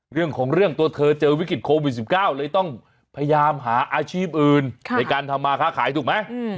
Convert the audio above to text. เรื่องของเรื่องตัวเธอเจอวิกฤตโควิด๑๙เลยต้องพยายามหาอาชีพอื่นในการทำมาค้าขายถูกไหม